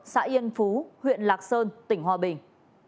xã yên phú huyện lạc sơn tỉnh hòa bình